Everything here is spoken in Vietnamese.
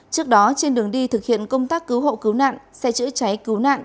trước đó trên đường đi thực hiện công tác cứu hộ cứu nạn xe chữa cháy cứu nạn